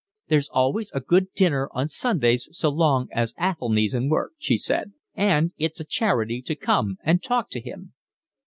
"There's always a good dinner on Sundays so long as Athelny's in work," she said, "and it's a charity to come and talk to him."